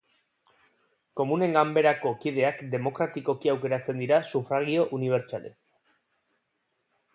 Komunen Ganberako kideak demokratikoki aukeratzen dira sufragio unibertsalez.